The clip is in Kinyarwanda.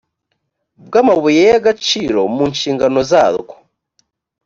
bw amabuye y agaciro mu nshingano zarwo